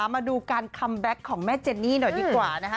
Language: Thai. มาดูการคัมแบ็คของแม่เจนนี่หน่อยดีกว่านะคะ